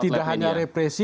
tidak hanya represi